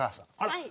はい。